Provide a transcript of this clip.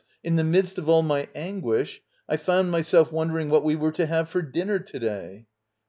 In the midst of all my anguish, I found myself wondering what we were to have for dinner to day.